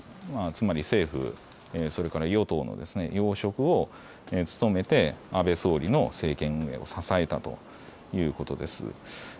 つまり政府、それから与党の要職を務めて安倍総理の政権運営を支えたということです。